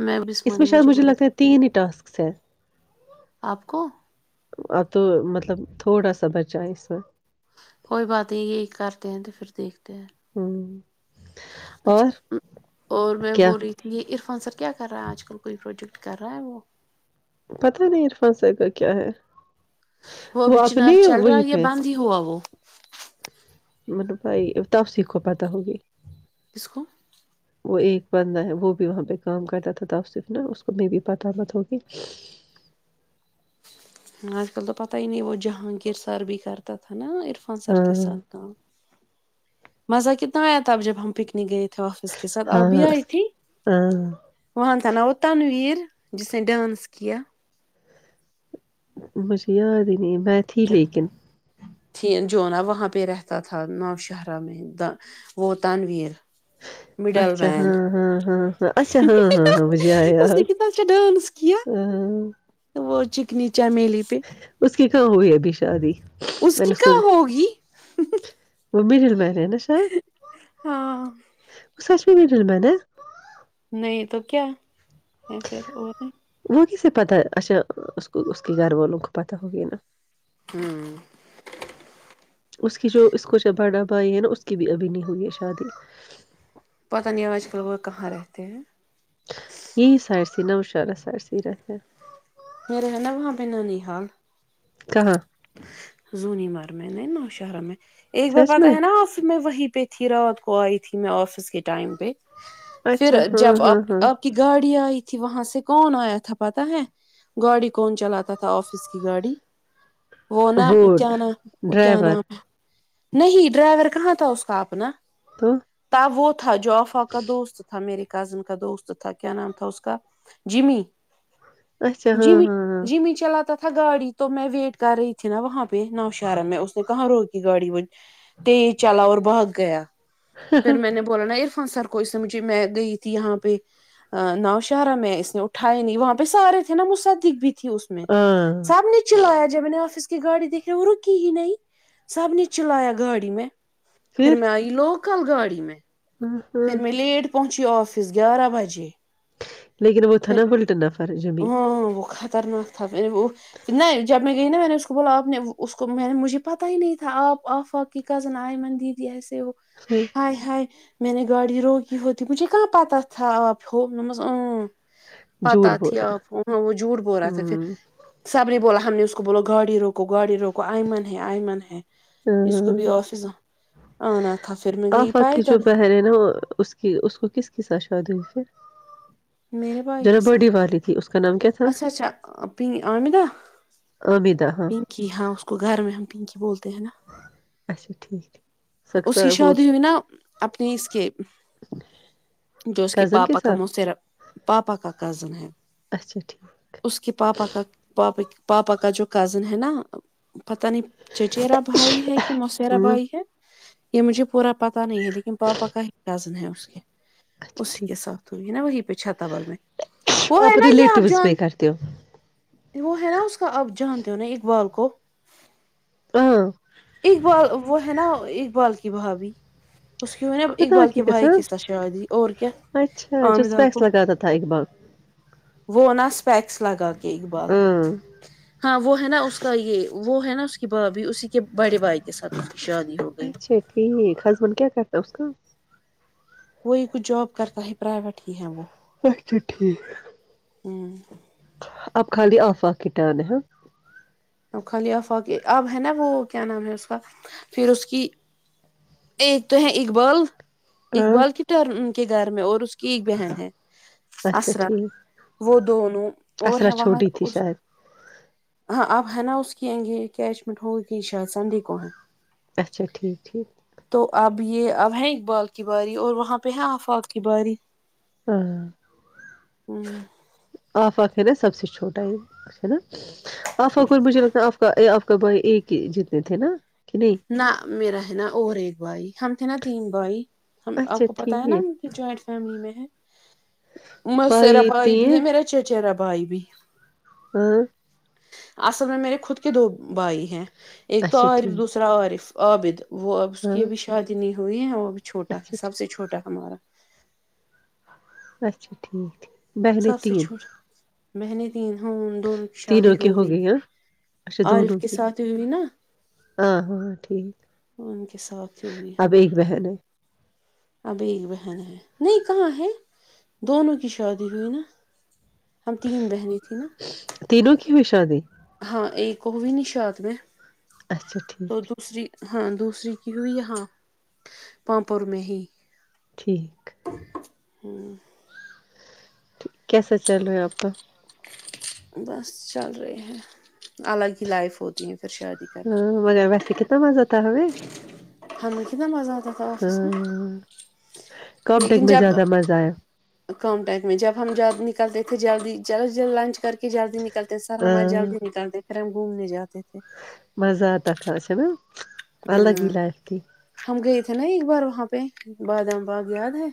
میں اس میں بسمانی شاید مجھے بولا لگتا ہے تین ہی ٹاسکس ہیں آپ کو اب تو مطلب تھوڑا سا بچا اس میں کوئی بات نہیں یہ کرتے ہیں تو پھر دیکھتے ہمم، اور اچھا اور میں کیا بول رہی تھی یہ عرفان سر کیا کر رہا ہے آج کل کوئی پروجیکٹ کر رہا ہے وہ پتہ نہیں عرفان سر کا کیا ہے وہ ابھی چنار اپنے چل رہا ہے وہیں یا پہ بند ہی ہوا وہ مطلب بھائی ا تب سیکھو پتا ہوگی اس کو وہ ایک بندہ ہے وہ بھی وہاں پہ کام کرتا تھا ت صرف نا اس کو میں بھی پتا مت ہوگی ہ آج کل تو پتا ہی نہیں وہ جہانگیر سر بھی کرتا تھا نا عرفان سر ہاں کے ساتھ کا مزہ کتنا آیا تھا اب جب ہم پکنک گئے تھے آفس کے ساتھ آ بھی ہاں آئی اس- تھی ہاں وہن تھا نا وہ تنویر جس نے ڈانس کیا بشیا رہ نہیں بت ہی لیکن جونا وہاں پہ رہتا تھا نوشاہرہ میں وہ تنویر مڈل اچھا مین ہاں ہاں ہاں ہاں اچھا ہاں ہاں ہاں وہجائے آ اس ہ نے کتنا اچھا ڈانس کیا تمیل [unintelligible] ا ہو ہےبشادی میں نے اس کو کہاں ہوگی وہ بھی دل میں رہے ہیں نا شاید ہاں اس پٹ ال میںان نہیں تو کیا پھر اور وہگ سے پتا اچھا اس کے گھر والوں کو پتا ہوگی نا ہوں اس کی جو اس کو چبا ڈبائی ہے نا اس کی بھی ابھی نہیں ہوئی ہے شادی پتہ نہیں آج کل وہ کہاں رہتے ہیں یہی سائرسی نوشرہ سرسی رہتے میر ہے نا وہاں پہ نانی حال کہاں زونی مار میں نہیں نوشہرا میں ایک بار سچ پتا میں ہے نا آ میں وہی ہی پہ تھی راوت کو آئی تھی میں آفس کے ائم پہ پھر اچھا ہاں جب ہاں آپ آپ ہاں کی گاڑی آئی تھی وہاں سے کون آیا تھا پتا ہے گاڑی کون چلاتا تھا آفس کی گاڑی وہ نا کیا نام کیا نام ہے نہیں ڈرائیور کہاں تھا اس کا اپنا تو تب وہ تھا جوفا کا دوست تھا میرے کزن کا دوست تھا کیا نام تھا اس کا جمی اچھا ہاں جمی ہاں ہاں جمی چلاتا تھا س تھا گڑی تو میں ویٹ کر رہی تھی نا وہاں پہ نوشرا میں اس نے کہاں روکی گاڑی وہ تیز چلا اور بھاگ گیا پھر میں نے بولنا ہاں سر کو اس نے مجھے میں گئی تھی یہاں پہ ناؤشہرا میں اس نے اٹھاائے نہیں وہاں پہ سارے تھے نا مجھصدق بھی تھی اس میں ہاں سب نے چلایا جب میں نے آفس کو کہ گاڑی دیکھ رہ وہ روکی ہی نہیں سب نے چلایا گاڑی میں پھر میں آئی لو کل گاڑی میں ہاں ہاں پنچ ہی آفس گیارہ بجے لیکن وہ تھا نا ہولٹنف ہ بخ خطرناک تھا وہ نہیں جب میں گئی نا میں نے اس کو بولا آپ نے اس کو میں نے مجھے پتاہ ہی نہیں تھا آپ آف آپ کی کزن آئے من دیدی ایسے وہ ہائے ہائے میں نے گاڑی روکی ہو تھی مجھے کہاں پتہ تھا آپ پو جوور ب تھی وہ جھوٹ بول رہا تھا پھر سب نے بولا ہم نے اس کو بولو گاڑی روکو گاڑی روکو آئمن ہے آئمن ہے ہاں اس کو بھی ہ آفس آنا تھا پھر میں گئی آفق کی جو پیدل ہی پہرے ہیں نا وہ اس کی اس کو کس کی ساش چد پھر میرے بھائی جو نا کے ساتھ بڑی والی تھی اس کا نام کیا تھا اچھا اچھا پن آامدہ عامدہ ہاں پنکی ہاں اس کو گھر میں ہم پنکی بولتے تنا اچا ٹھیک سکتا اس کی وہ شادی ہوئی نا اپنے اس کے جو اس کے کزن پاپا کا ساتھ م سےرا پاپا کا کزن ہے اچھا ٹھیک اس کے پاپا کا پپ پاپا کا جو کزن ہے ہے نا پتہ نہیں چچیرا بھائی ہے کہ موسیرا ہوں بھائی ہے یہ مجھے پورا پتا نہیں ہے لیکن پاپا کا ہی رزن ہے اس کے اچھا اسی کے ٹھیک ساتھ ہوئی نا وہی پہ چھتور میں وہ ہے نا یہ آپ ریلیٹیوز جان میں کرتے ہو وہ ہے نا اس کا آپ جانتے ہو نا اقبال کو رکو [unintelligible] ہاں [unintelligible] اقبال وہ ہے نا [unintelligible] ایک بال کی بھاابی [unintelligible] اس کی نا خدا اقبال کی کے بھائی کے سھ قسم شاادی اور کیا اچھا جو آامداب اسپیکس کو لگاتا تھا اقبال وہ ن [unintelligible] پییکس لگا [unintelligible] اقبال ہاں ہاں وہ ہے نا اس کا یہ وہ ہے نا اس کی بھابھی اسی کے کہہ بڑے بائے کے سات [unintelligible] اچھا ٹھیک ہضمون کیا کرتا اس کا [unintelligible] وہی کچھ جاب کرتا ہے پرائیویٹ ہی ہے وہ اچا ٹھیک [unintelligible] ہوں [unintelligible] آپ خالی آف آ کیٹ نے خال افاق اب ہے نا وہ کیا نام ہے اس کا پھر اس کی [unintelligible] ایک تو ہے اقبال ہاں اقبال کی طر کے گھر میں اور اس کی ایک بہن ہے اچھا اسرا ٹھیک وہ دونوں اور اسرا ہے وہاں چھوٹی تھی شاید ہاں آ ہے نا اس کی آئ گے کیچ مٹ ہوگی کہ شاید سنڈے کو ہے اچھا ٹھیک ٹھیک ا یہ اب ہے اقبال کی باری اور وہاں پہ ہے آفاق کی باری ہاں ہوں [unintelligible] آفق ہے نا سب سے چھوٹا ہے ہے نا آفق مجھے لگتا آپ کا آپ کا بوائے ایک ہی جتنے تھے نا [unintelligible] نہ میرا ہے نا اور ایک بھائی ہم تھے نا تین بھائی ہم آپ اچھا کو ٹھیک پتا ہے نا جوائنٹ فیملی میں ہے [unintelligible] مسیرا بھائی بھی ہے میرا چاچہرا بجب [unintelligible] ہ [unintelligible] اصل میں میرے خود کے دو بائی ہے ایک تو اچھا اور ایک ٹھیک دوسر عریف عابد وہ اب اس ہاں کی ابھی شادی نہیں تھو ہے وہ [unintelligible] چھٹا ہے اچھا سب ٹھیک سے چھوٹا ہمارا اچھا ٹھیکیک بہرتین محنیت تین ہ ان دونوں کی شادی ہو گئی اچھا عارف دونوں کے کی ساتھ ہی ہوئی نا ہاں ہاں ٹھیک ان کے ساتھ ہوئی اب ہاں ایک بہن ہے اب ایک بہن ہے نہیں کہاں ہے دونوں کی شادی ہوئی نا ہم تین بہنیں تھیں نا وشادی ہاں ایک کو بھی نشااد میں اچھا ٹھیک تو دوسری ہاں دوسری کی ہوئی یہاں پاپور میں ہی ٹھیک ہوں کیسا چل رہا ہے آپ کا بس چل رہے ہیں الگ ہی لائف ہوتی ہیں ہ مہ ویسے کتنا مہ اب ہمیں کتنا مزہ آتا تھا آفس میں کمٹیک لیکن میں جب زیادہ مزہ آیا کم ٹائم میں جب ہم ج نکلتے تھے جلدی چلو ج لنچ کر کے جلدی نکلتے سراامان ہاں جلدی نکلتے ہم گھومنے جات مزہ آتا اس میںا الگ ہی ہاں لگتی ہم گئے نا ایک بار وہاں پہ بادام باغ یاد ہے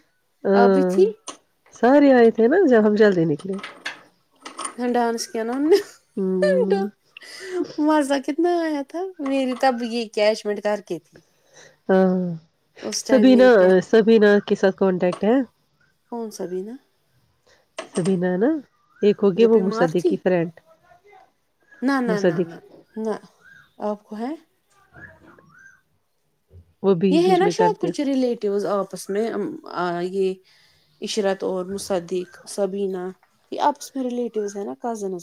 آپ بھی ہاں تھی سارے آئے تھے نا جم جد نکلے ڈانس کی نوں نا ہمم م ج کی میں آیا تھا میری تب یہ کیش منٹ کر کے تھی ہاں اس ٹائم سبین میری کیا سبین کے ساتھ کانٹیکٹ ہے کون س بنا سبھی ن نا ایک ہوگیا جو وہ بیمار مصدی کی تھی فرینڈ نہ نہ نہ مصدق نہ نہ آپ کو ہے وہ بیچ یہ ہ بیچ نا میں شاید کرتے کچھ رلیلیٹوز آپس میں یہ عشرت اور مصدق سبینہ یہ آپس میں ریلیٹیوس ہیں نا کزن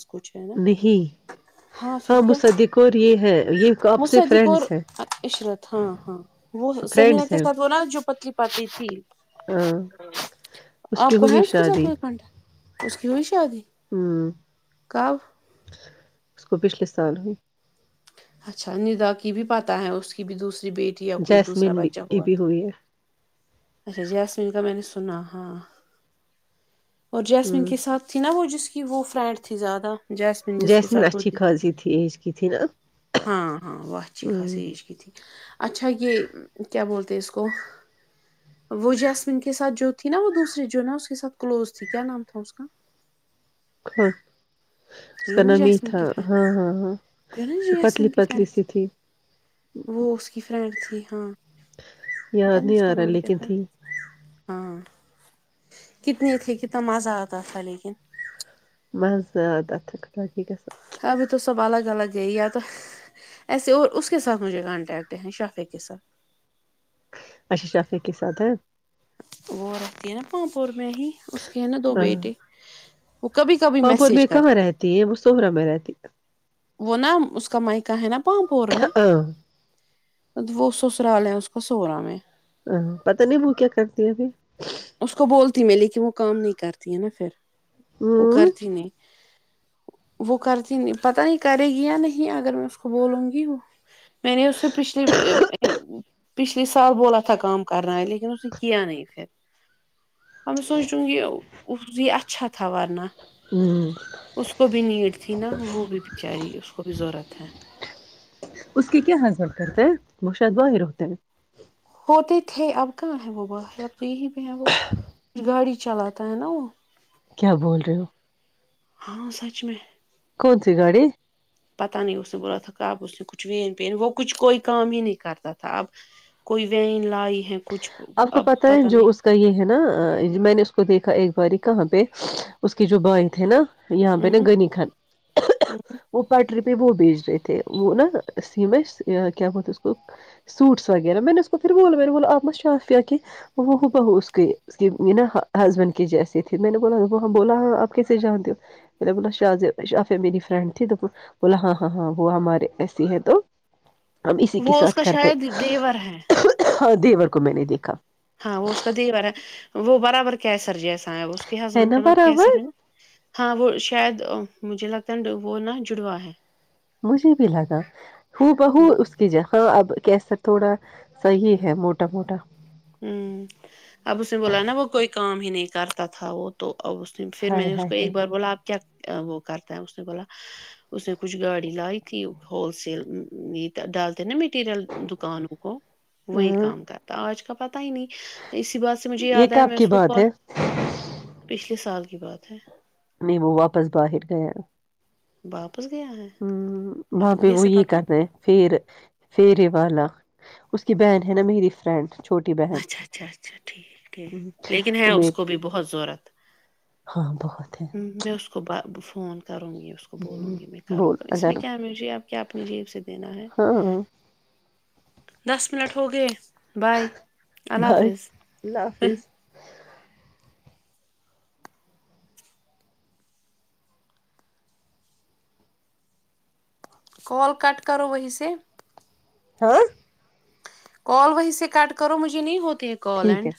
نہیں ہاں مصدق اور یہ ہے یہ آپ سے مصعدیقور فرینڈس ہیں عشرت ہاں ہاں وہ سبین فرینڈس کے ہیں ساتھ وہنا جو پتلی پتی ت ہاں آپ کی کو ن ہوئی اس کے ساتھ شادی پنٹ اس کی ہوئی شادی ہمم کب وہ پچھلے سال ہوئے اچھا ندا کی بھی پتاہ ہے اس کی بھی دوسری ک بیٹی یا کچھ دوسرا جیسمین بھی بچہ کی ہوا بھی تھا ہوئی ہے اچھا جیسمین کا میں نے سنا ہا اور جیسمین کے ہمم ساتھ تھی نا وہ جس کی کہ وہ فرینڈ تھی زیادہ جیسمین جس کے ساتھ اچھی ہوتی تھی خاصی ایج کی تھی نا ہاں ہاں واہچھی ہمم خاسیش کی تھی اچھا یہ کیا بولتے توس کو وہ جیسمین کے ساتھ جو تھی نا وہ دوسری جو نا اس کے ساتھ کلوز تھی کیا نام تھا اس کا ہاں اس کا نا نام یہ جسم کی تھا ف ہاں ہاں ہاں نا پتلی جیسمین کی پتلی فرینڈ سی تھی وہ اس کی فرینڈ تھی ہاں پتا یاد نہیں اس کا آ رہا نام کیا لیکن تھا تھی ہاں کتنی تھھی کتنا مزہ آتا تھا لیکن مزہد ت تھاک ابھی تو سب الگ الگ یا تو ایسے اور اس کے ساتھ مجھے کانٹیکٹ ہیں شافق کے ساتھ اچھا شافیق کے ساتھ ہے وہ رتی ہے نا پاںپور میں ہی اس کے ہے نا دو بیٹے وہ کبھی کبھی پامپور میسج میں کہاں کرتی رہتی ہیں وہ سوہرا میں رہتی ہے وہ نا اس کا مائکہ ہے نا پاپور میں ب وہ سسرال ہیں اس کو سولہہ میں ہاں پت نہیں وہ کیا کرتی ہےبھی اس کو بولتی میں لیکن وہ کام نہیں کرتی ہے نا پھر وہ ہمم کرتی نہیں وہ کرتی نہیں پتا نہیں کرے گی یا نہیں اگر میں اس کو بولوں گی میں نے اسے پچھلی پچھلے سال بولا تھا کام کرنا ہے لیکن اسے کیا نہیں پھر اور میں سوچ رہوں کہ یہ اچھا تھا ورنا ہمم اس کو بھی نیڈ تھی نا وہ بھی بچاری اس کو بھی ضرورت [unintelligible] اس کی کیا حضر کرتے ہیں وہ شاید وحر ہوتے ہیں ہوتے تھے اب کہاں ہے وہ باہر اپ یہی پہ ہیں وہ گاڑی چلاتا ہے نا وہ کیا بول رہے ہو ہاں سچ میں س گاڑی پتا نہیں اس نے بولا تھا کہ اب اس نے کچھ وین پین وہ کچھ کوئی کام ہی نہیں کرتا تھا اب کوئی وین ہی ہے کچھ آپ کو اب پتہ ہے پت نہیں جو اس کا یہ ہے نا میں نے اس کو دیکھا ایک باری کہاں پہ اس کی جو بائی تھے نا یہاں پہ نا نہیں گنی خھن وہ پٹری پہ وہ بیچ تھے وہ نا سیم کیا بتے اس کو سوٹس وغیرہ میں نے اس کو پھر بول نے بولا آپ شافیہ کی وہ بو اس کیا ہسبینڈ کی جیسی تھی میں نے بولااں بولا ہاں آپ کیسے جانتے ہو میں نے بولا ش شاف میری فرینڈ تھی بولا ہاں ہاں ہاں وہ ہمارے ایسی ہے تو ہم اسی کی وہ اس ساتھ کا کرتے شاید دیور ہے ہاں دیور کو میں نے دیکھا ہاں وہ اس کا دی بار ہے وہ برابر کیا ہے سرجیس اس کے ہے ہسبینڈ نا کا نام کیسا برابر ہے نا ہاں وہ شاید مجھے لگتا ہے ن وہ نا جڑوا ہے مجھے بھی لگا ہو بہو اس کی جاں اب کیسر تھوڑا صحیح ہے موٹا موٹا ہوں اب اس نے بولا نا وہ کوئی کا ہی ن کرتا تھاو تو ا اس نے پھر میں ہائے نے اس ہائے کو ایک بار بولا آپ کیا [inaudible] وہ کرتا ہے اس نے بولا اس نے کچھ گاڑی لائی [inaudible] ت ہول سل [inaudible] میٹ ڈال د نا میٹ [inaudible] مریل دکانوں کو وہی ہائے ہ کام کرتا ہے آج کا [inaudible] پتا ہی نہیں اسی بات سے مجھے یہ یاد ہے کب میں کی اس کو بات ہے [inaudible] پچھلے سال کی بات ہے [inaudible] میں وہ واپس باہر گیا [inaudible] باپ [inaudible] ہ وہاں پہ وہی پتا کر رہ پھر فر یہ والا [inaudible] اس کی بہن ہے نا میری فرینڈ [inaudible] اچھا اچھا اچھا ٹھیک ٹھیک لیکن ہے اس عمیر کو بھی بہت ضرورت [inaudible] ہاں بہت ہے ہ میں اس کو ب فون کروں گی اس کو بولوں گی میں کرو بول اس میں اگر کیا م جی آپ کیا اپنی جیب سے دینا ہے ہاں دس منٹ ہو گئے بائے اللہ بائی حافظ اللہ حافظ کال کٹ کرو ویسے ہاں کال وہیں سے کٹ کرو مجھے نہیں ہوتا ٹھیک ہے کالینڈ